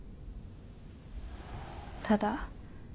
ただ。